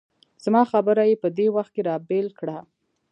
زما خبره یې په دې وخت کې را بېل کړه.